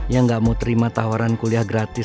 yang gak mau terima tawaran kuliah gratis